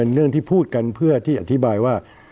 เรื่องที่พูดกันเพื่อที่อธิบายว่า